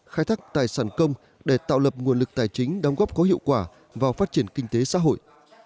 khai thác tài sản công để tạo lập nguồn lực tài chính đóng góp có hiệu quả vào phát triển kinh tế xã hội